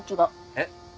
えっ？